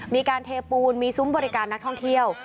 มีการเทปูนมีซุ้มบริการนักท่องเที่ยว